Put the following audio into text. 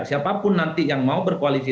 siapapun nanti yang mau berkoalisi